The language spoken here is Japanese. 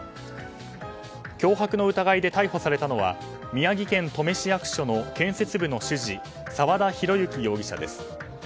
脅迫の疑いで逮捕されたのは宮城県登米市役所の建設部の主事澤田裕幸容疑者です。